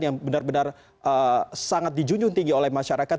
yang benar benar sangat dijunjung tinggi oleh masyarakat